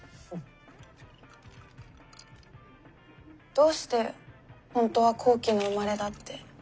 どうして本当は高貴の生まれだって。